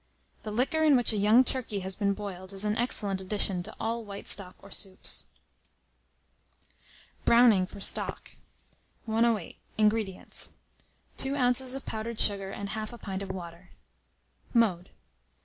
The liquor in which a young turkey has been boiled, is an excellent addition to all white stock or soups. BROWNING FOR STOCK. 108. INGREDIENTS. 2 oz. of powdered sugar, and 1/2 a pint of water. Mode.